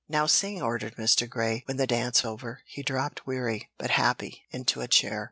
"Now sing," ordered Mr. Grey, when, the dance over, he dropped weary, but happy, into a chair.